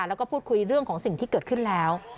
แล้วก็พูดคุยเรื่องของสิ่งที่เกิดขึ้นแล้ว